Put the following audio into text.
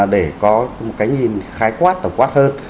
để có cái nhìn khái quát tổng quát hơn